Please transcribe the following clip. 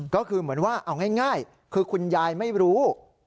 ก็คือเหมือนว่าเอาง่ายคือคุณยายไม่รู้